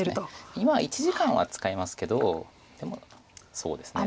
今１時間は使いますけどでもそうですね